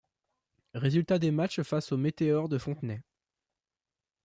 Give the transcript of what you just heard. Résultats des matches face aux Météores de Fontenay.